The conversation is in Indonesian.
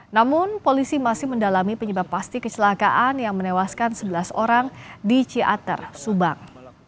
namun polisi masih mendalami penyebab pasti kecelakaan yang menewaskan sebelas orang di ciater subang